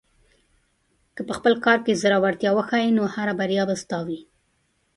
که په خپل کار کې زړۀ ورتیا وښیې، نو هره بریا به ستا وي.